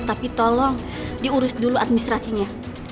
tapi tolong diurus dulu administrasinya